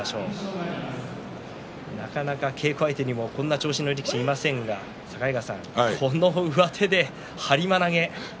なかなか稽古相手にもこんな長身の力士はいませんがこの上手で、はりま投げ。